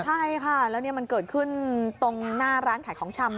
ใช่ค่ะแล้วมันเกิดขึ้นตรงหน้าร้านขายของชำ